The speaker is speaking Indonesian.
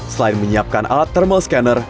selain menyiapkan alat thermal scanner